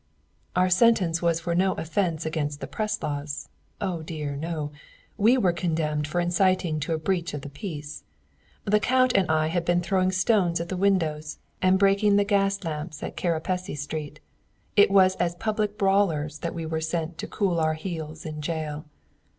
Our sentence was for no offence against the press laws. Oh dear, no! We were condemned for inciting to a breach of the peace. The Count and I had been throwing stones at the windows, and breaking the gas lamps in Kerepesi Street! It was as public brawlers that we were sent to cool our heels in jail!